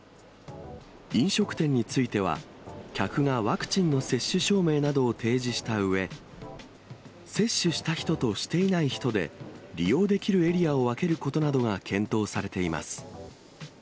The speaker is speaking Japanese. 飲食店については、客がワクチンの接種証明などを提示したうえ、接種した人としていない人で、利用できるエリアを分けることなどが検討されています。